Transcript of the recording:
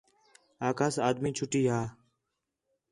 آکھاس آدھی چھٹی ہا